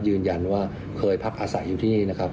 ยืนยันว่าเคยพักอาศัยอยู่ที่นี่นะครับ